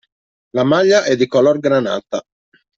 La maglia è di color granata.